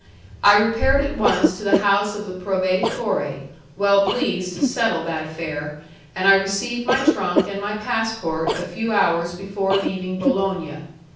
I repaired at once to the house of the proveditore, well pleased to settle that affair, and I received my trunk and my passport a few hours before leaving Bologna.